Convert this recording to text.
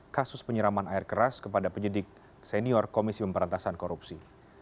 kasus penyiraman air keras kepada penyidik senior komisi pemberantasan korupsi